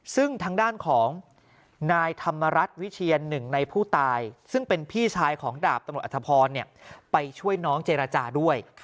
ซึ่งทางด้านของนายธรรมรัฐวิเชียนหนึ่งในผู้ตายซึ่งเป็นพี่ชายของดาบตำรวจอธพรไปช่วยน้องเจรจาด้วย